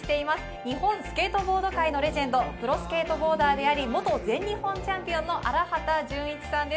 日本スケートボード界のレジェンド、プロスケートボーダーであり、元全日本チャンピオンの荒畑潤一さんです。